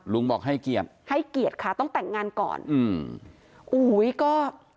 บอกให้เกียรติให้เกียรติค่ะต้องแต่งงานก่อนอืมอุ้ยก็